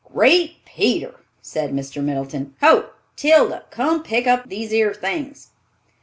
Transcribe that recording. "Great Peter!" said Mr. Middleton, "ho, Tilda, come pick up these 'ere things!"